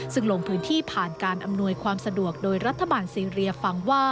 ซึ่งลงพื้นที่ผ่านการอำนวยความสะดวกโดยรัฐบาลซีเรียฟังว่า